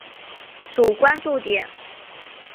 主关注点。